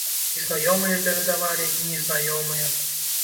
І знаёмыя перадавалі, і незнаёмыя.